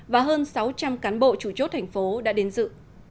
và hơn sáu trăm linh cán bộ chủ chốt thành phố đã đến dự